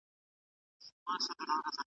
له پیر بابا او له زیارت سره حساب سپینوم ,